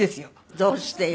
どうしてよ？